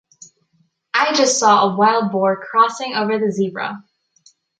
I just saw a wild boar crossing over the zebra.